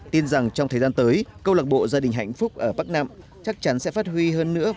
tin rằng trong thời gian tới câu lạc bộ gia đình hạnh phúc ở bắc nam chắc chắn sẽ phát huy hơn nữa